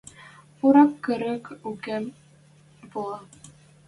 Урал кырык юкым пуа...